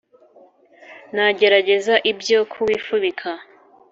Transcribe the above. Nagerageza ibyo kuwifubika,